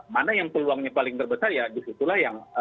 mana yang peluangnya paling terbesar ya di situlah yang